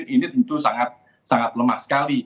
ini tentu sangat lemah sekali